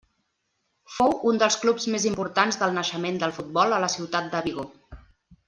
Fou un dels clubs més importants del naixement del futbol a la ciutat de Vigo.